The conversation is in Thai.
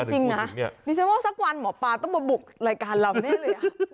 จริงนะดิฉันว่าสักวันหมอปลาต้องมาบุกรายการเราแน่เลย